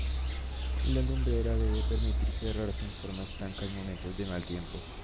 La lumbrera debe permitir cerrarse en forma estanca en momentos de mal tiempo.